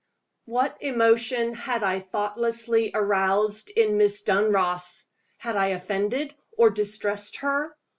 WHAT emotion had I thoughtlessly aroused in Miss Dunross? Had I offended or distressed her?